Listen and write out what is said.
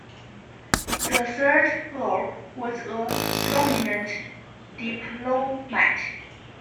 The third Earl was a prominent diplomat.